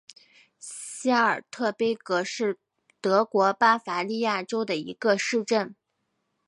席尔特贝格是德国巴伐利亚州的一个市镇。